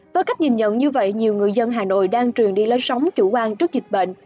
với cách nhìn nhận như vậy nhiều người dân hà nội đang truyền đi lối sống chủ quan trước dịch bệnh